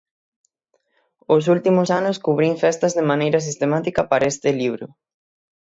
Os últimos anos cubrín festas de maneira sistemática para este libro.